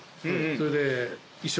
それで。